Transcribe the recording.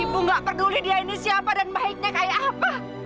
ibu gak peduli dia ini siapa dan baiknya kayak apa